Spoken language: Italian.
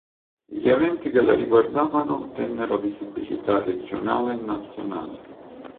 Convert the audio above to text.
Gli eventi che la riguardavano ottennero visibilità regionale e nazionale.